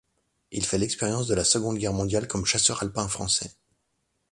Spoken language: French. Il fait l'expérience de la Seconde Guerre mondiale comme chasseur alpin français.